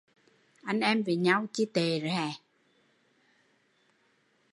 Anh em với nhau, chi tệ rứa